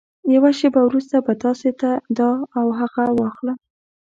يوه شېبه وروسته به تاسې ته دا او هغه واخلم.